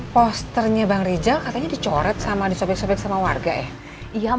posternya bang rizal katanya dicoret sama disopek sopek sama wangnya